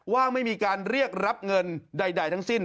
ว่าไม่มีการเรียกรับเงินใดทั้งสิ้น